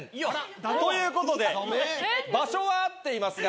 ということで場所は合っていますが。